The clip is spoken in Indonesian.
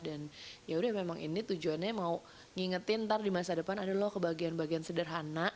dan yaudah memang ini tujuannya mau ngingetin ntar di masa depan ada loh kebagian bagian sederhana